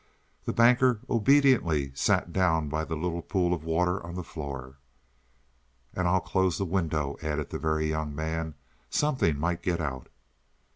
The Banker obediently sat down by the little pool of water on the floor. "And I'll close the window," added the Very Young Man; "something might get out."